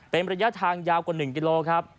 เป็นระยะทางยาวกว่า๑กิโลครับ